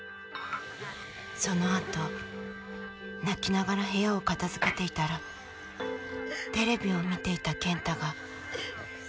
そのあと泣きながら部屋を片づけていたらテレビを見ていた健太が。